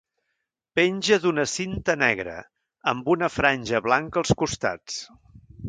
Penja d'una cinta negra, amb una franja blanca als costats.